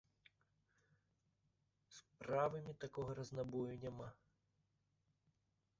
З правымі такога разнабою няма.